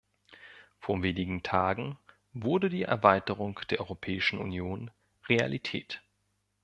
Vor wenigen Tagen wurde die Erweiterung der Europäischen Union Realität.